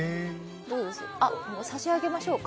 差し上げましょうか？